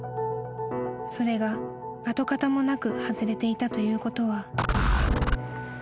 ［それが跡形もなく外れていたということは］